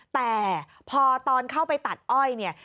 แต่พอตอนเข้าไปตัดอ้อย